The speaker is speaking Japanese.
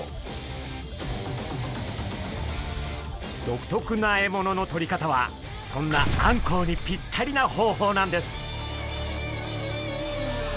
独特な獲物のとり方はそんなあんこうにぴったりな方法なんです。